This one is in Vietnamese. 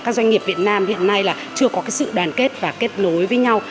các doanh nghiệp việt nam hiện nay là chưa có sự đoàn kết và kết nối với nhau